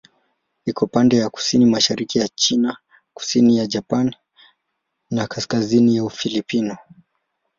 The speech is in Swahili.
Iko upande wa kusini-mashariki ya China, kusini ya Japani na kaskazini ya Ufilipino.